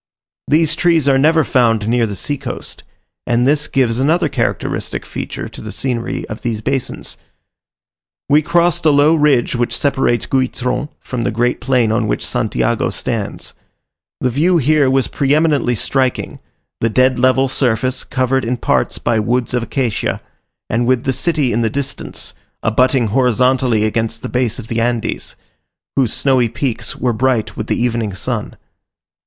These trees are never found near the sea coast; and this gives another characteristic feature to the scenery of these basins. We crossed a low ridge which separates Guitron from the great plain on which Santiago stands. The view was here pre eminently striking: the dead level surface, covered in parts by woods of acacia, and with the city in the distance, abutting horizontally against the base of the Andes, whose snowy peaks were bright with the evening sun.